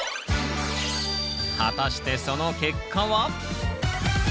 果たしてその結果は？